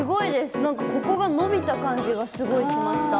なんかここが伸びた感じがすごいしました。